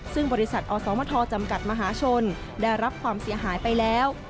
ซึ่งบริษัทอสมทจำกัดมหาชนได้รับความเสียหายไปแล้ว